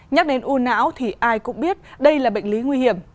nhắc đến u não thì ai cũng biết đây là bệnh lý nguy hiểm